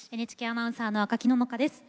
ＮＨＫアナウンサーの赤木野々花です。